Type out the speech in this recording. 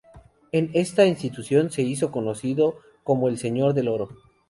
En esta institución se hizo conocido como "el señor del oro.